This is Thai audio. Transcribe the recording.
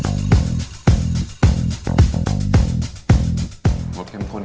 หมดเค็มข้นเลยค่ะ